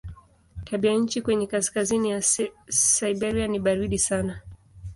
Tabianchi kwenye kaskazini ya Siberia ni baridi sana.